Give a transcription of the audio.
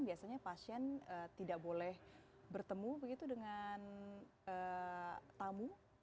biasanya pasien tidak boleh bertemu begitu dengan tamu